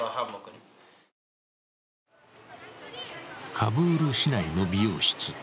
カブール市内の美容室。